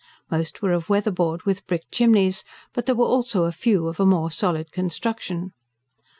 Most were o' weatherboard with brick chimneys; but there were also a few of a more solid construction.